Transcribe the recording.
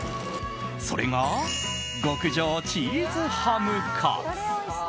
それが、極上チーズハムカツ。